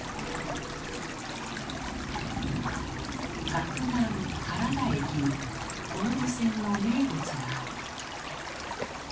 岳南原田駅にこの路線の名物がある。